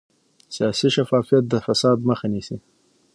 سیاسي شفافیت د فساد مخه نیسي